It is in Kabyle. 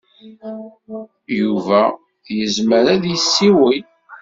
Yuba yezmer ad d-yessiwel.